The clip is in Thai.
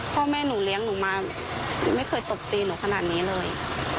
พ่อแม่หนูเลี้ยงหนูมาไม่เคยตบตีหนูขนาดนี้เลย